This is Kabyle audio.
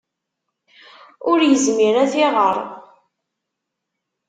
Ur yezmir ad t-iɣer.